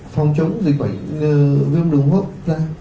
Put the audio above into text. phòng chống dịch bệnh viêm đường hốc ra